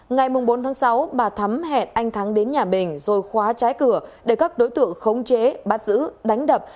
ngày bốn tháng sáu bà thắm hẹn anh thắng đến nhà bình rồi khóa trái cửa để các đối tượng khống chế bắt giữ đánh đập